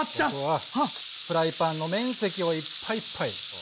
フライパンの面積をいっぱいいっぱい。